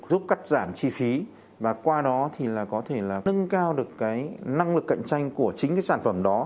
giúp cắt giảm chi phí và qua đó thì là có thể là nâng cao được cái năng lực cạnh tranh của chính cái sản phẩm đó